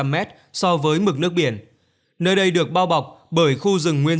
một năm trăm linh m so với mực nước biển nơi đây được bao bọc bởi khu rừng nguyên